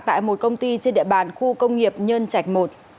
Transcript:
tại một công ty trên địa bàn khu công nghiệp nhân trạch i